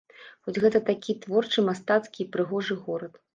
Хоць гэта такі творчы, мастацкі і прыгожы горад!